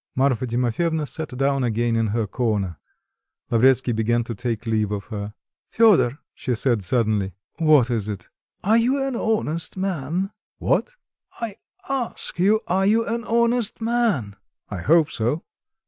Marfa Timofyevna sat down again in her corner. Lavretsky began to take leave of her. "Fedor," she said suddenly. "What is it?" "Are you an honest man?" "What?" "I ask you, are you an honest man?" "I hope so."